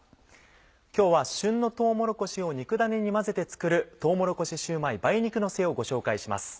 今日は旬のとうもろこしを肉ダネに混ぜて作る「とうもろこしシューマイ梅肉のせ」をご紹介します。